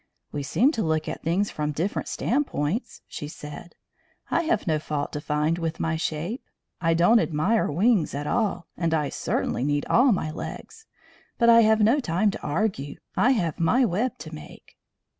"We seem to look at things from different standpoints," she said. "I have no fault to find with my shape. I don't admire wings at all, and I certainly need all my legs. But I have no time to argue. I have my web to make."